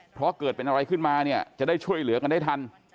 เพราะเกิดเป็นอะไรขึ้นมาเนี่ยจะได้ช่วยเหลือกันได้ทัน